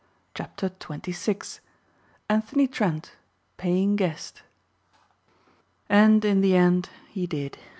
CHAPTER XXVI ANTHONY TRENT "PAYING GUEST" And in the end, he did.